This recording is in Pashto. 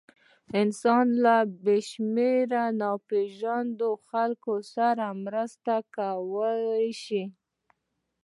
انسان له بېشمېره ناپېژاندو خلکو سره مرسته کولی شي.